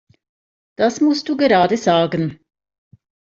Das musst du gerade sagen!